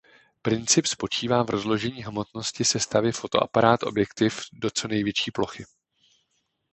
Princip spočívá v rozložení hmotnosti sestavy fotoaparát objektiv do co největší plochy.